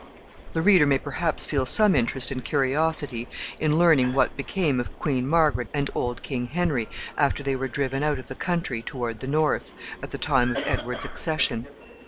The reader may perhaps feel some interest and curiosity in learning what became of Queen Margaret and old King Henry after they were driven out of the country toward the north, at the time of Edward's accession.